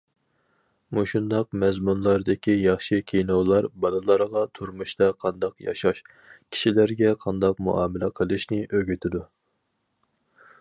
مۇشۇنداق مەزمۇنلاردىكى ياخشى كىنولار بالىلارغا تۇرمۇشتا قانداق ياشاش، كىشىلەرگە قانداق مۇئامىلە قىلىشنى ئۆگىتىدۇ.